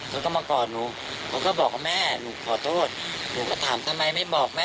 เขาก็มากอดหนูเขาก็บอกว่าแม่หนูขอโทษหนูก็ถามทำไมไม่บอกแม่